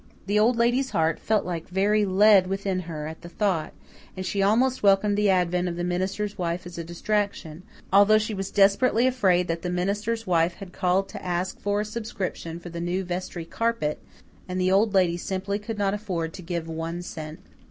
The Old Lady's heart felt like very lead within her at the thought, and she almost welcomed the advent of the minister's wife as a distraction, although she was desperately afraid that the minister's wife had called to ask for a subscription for the new vestry carpet, and the Old Lady simply could not afford to give one cent.